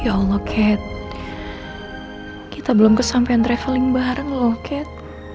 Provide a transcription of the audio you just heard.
ya allah cat kita belum kesampean traveling bareng loh cat